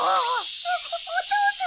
おっお父さん。